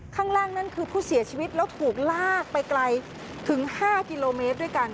ข้างล่างนั่นคือผู้เสียชีวิตแล้วถูกลากไปไกลถึง๕กิโลเมตรด้วยกัน